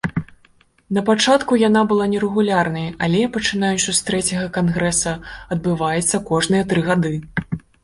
Напачатку яна была нерэгулярнай, але, пачынаючы з трэцяга кангрэса, адбываецца кожныя тры гады.